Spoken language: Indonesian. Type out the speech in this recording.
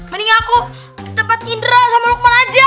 mending aku ke tempat tidur sama lukman aja